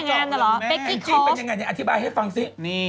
แองจี้เป็นยังไงอธิบายให้ฟังสิ